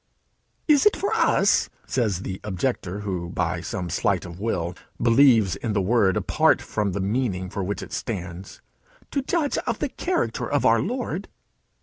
"Is it for us," says the objector who, by some sleight of will, believes in the word apart from the meaning for which it stands, "to judge of the character of our Lord?"